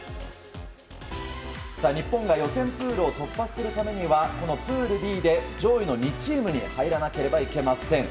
日本が予選プールを突破するためにはこのプールＤで、上位２チームに入らなければいけません。